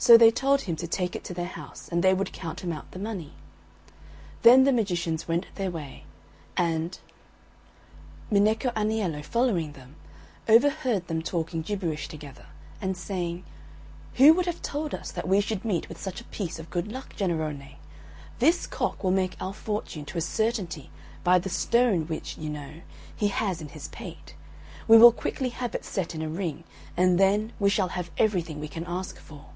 So they told him to take it to their house, and they would count him out the money. Then the magicians went their way, and, Minecco Aniello following them, overheard them talking gibberish together and saying, "Who would have told us that we should meet with such a piece of good luck, Jennarone? This cock will make our fortune to a certainty by the stone which, you know, he has in his pate. We will quickly have it set in a ring, and then we shall have everything we can ask for."